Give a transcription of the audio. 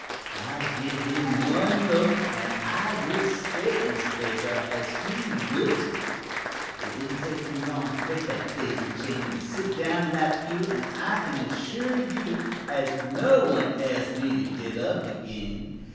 I give him one look an' I will state, Mrs. Lathrop, as he wilted. It didn't take me long to break that daisy chain an' sit down in that pew, an' I can assure you as no one asked me to get up again.